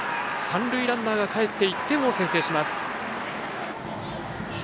三塁ランナーがかえって１点を先制します。